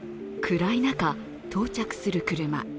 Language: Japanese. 暗い中、到着する車。